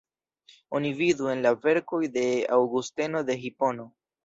Oni vidu en la verkoj de Aŭgusteno de Hipono.